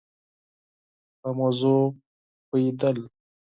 په موضوع پوهېد ل